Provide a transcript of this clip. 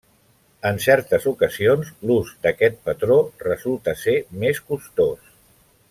En certes ocasions l'ús d'aquest patró resulta ser més costós.